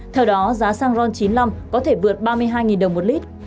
theo đó giá xăng ron chín mươi năm có thể vượt ba mươi hai đồng một lít